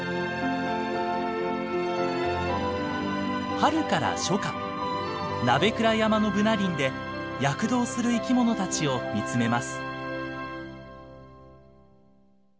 春から初夏鍋倉山のブナ林で躍動する生き物たちを見つめます。